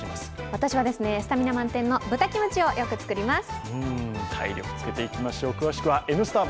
私はスタミナ満点の豚キムチをよく作ります。